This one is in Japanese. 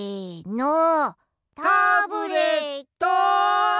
タブレットン！